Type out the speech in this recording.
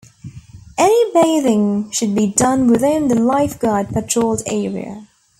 Any bathing should be done within the lifeguard-patrolled area.